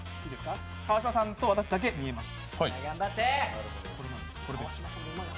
川島さんと私だけ見えます。